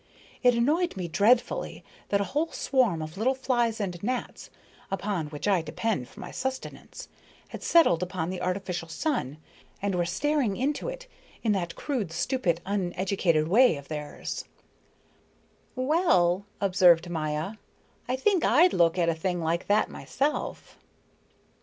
It annoyed me dreadfully that a whole swarm of little flies and gnats, upon which I depend for my subsistence, had settled upon the artificial sun and were staring into it in that crude, stupid, uneducated way of theirs." "Well," observed Maya, "I think I'd look at a thing like that myself."